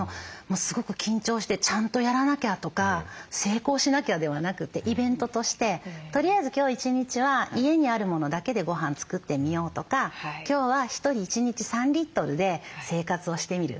すごく緊張してちゃんとやらなきゃとか成功しなきゃではなくてイベントとしてとりあえず今日一日は家にあるものだけでごはん作ってみようとか今日は１人１日３リットルで生活をしてみる。